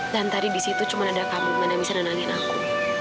dan tadi di situ cuman ada kamu man yang bisa nangis aku